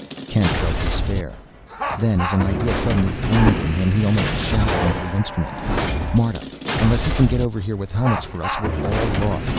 Kent felt despair; then as an idea suddenly flamed in him, he almost shouted into the instrument: "Marta, unless you can get over here with helmets for us, we're all lost.